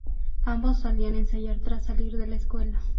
Ambos solían ensayar tras salir de la escuela.